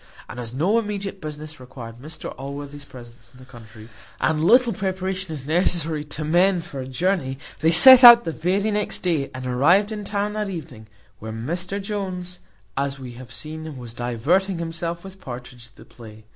And as no immediate business required Mr Allworthy's presence in the country, and little preparation is necessary to men for a journey, they set out the very next day, and arrived in town that evening, when Mr Jones, as we have seen, was diverting himself with Partridge at the play.